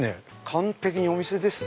完璧にお店です。